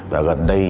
và gần đây